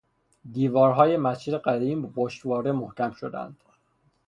دیوارهای مسجد قدیمی با پشتواره محکم شدهاند.